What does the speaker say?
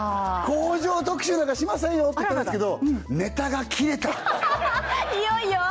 工場特集なんかしませんよって言ってたんですけどネタが切れたいよいよ？